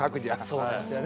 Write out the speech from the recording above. そうなんすよね。